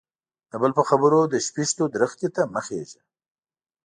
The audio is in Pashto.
د بل په خبرو د شپيشتو درختي ته مه خيژه.